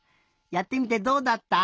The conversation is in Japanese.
やってみてどうだった？